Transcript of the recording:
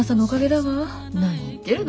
何言ってるの。